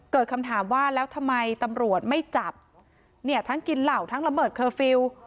เกิดคำถามว่าแล้วทำไมตำรวจไม่จับเนี่ยทั้งกินเหล่าทั้งระเบิดเคอร์ฟิลล์